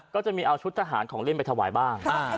ก็จะมีเอาชุดทหารของเล่นไปถวายบ้าง